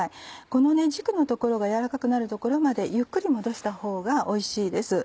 この軸の所がやわらかくなるところまでゆっくりもどした方がおいしいです。